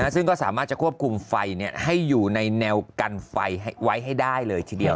ซึ่งก็สามารถจะควบคุมไฟให้อยู่ในแนวกันไฟไว้ให้ได้เลยทีเดียว